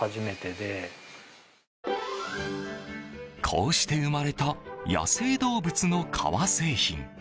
こうして生まれた野生動物の革製品。